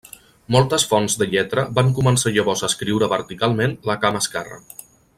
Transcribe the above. Moltes fonts de lletra van començar llavors a escriure verticalment la cama esquerra.